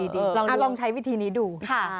ลองใช้วิธีนี้ดู